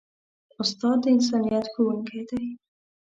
استاد د انسانیت ښوونکی دی.